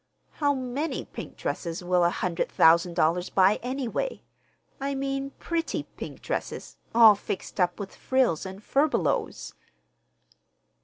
How many pink dresses will a hundred thousand dollars buy, anyway,—I mean pretty pink dresses, all fixed up with frills and furbelows?